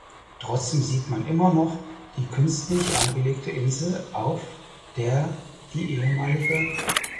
Trotzdem sieht man immer noch die künstlich angelegte Insel auf der die ehm.